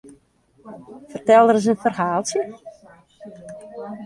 Fertel ris in ferhaaltsje?